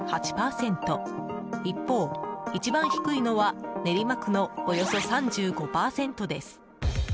一方、一番低いのは練馬区のおよそ３５％です。